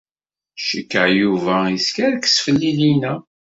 Cikkeɣ Yuba yeskerkes fell-i llinna.